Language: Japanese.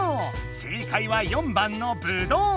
正解は４番のぶどう。